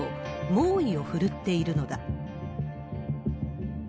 猛威を振るっているのだ。